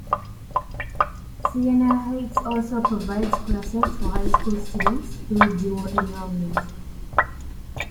Siena Heights also provides classes for high school students through dual enrollment.